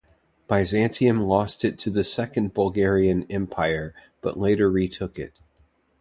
Byzantium lost it to the Second Bulgarian Empire, but later retook it.